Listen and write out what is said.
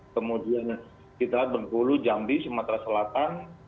kemudian kita lihat bengkulu jambi sumatera selatan